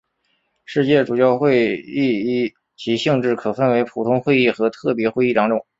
世界主教会议依其性质可分为普通会议和特别会议两种。